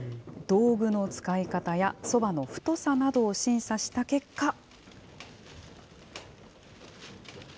道具の使い方や、そばの太さなどを審査した結果。